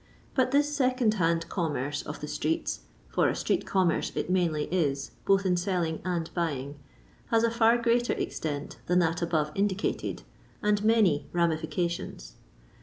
But this second hand commerce of the streets — for a street commerce it mainly is, both in selling and buying — has a far greater extent than that above indicate<l, and many ramifications.